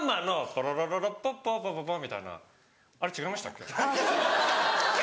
ポロロロロッポポポポポみたいなあれ違いましたっけ？